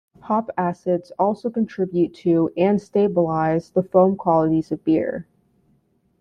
Hop acids also contribute to and stabilize the foam qualities of beer.